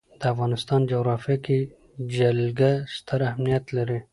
د افغانستان جغرافیه کې جلګه ستر اهمیت لري.